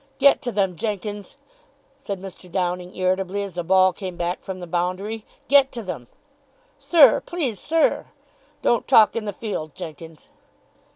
"Get to them, Jenkins," said Mr. Downing irritably, as the ball came back from the boundary. "Get to them." "Sir, please, sir " "Don't talk in the field, Jenkins."